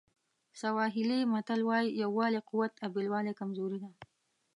سواهیلي متل وایي یووالی قوت او بېلوالی کمزوري ده.